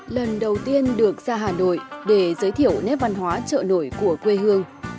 lần đầu tiên được ra hà nội để giới thiệu nét văn hóa chợ nổi của quê hương